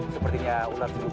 sepertinya ular di lupa